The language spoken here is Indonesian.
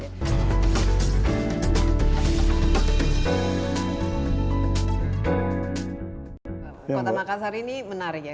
kota makassar ini menarik ya